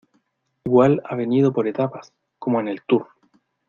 igual ha venido por etapas, como en el tour.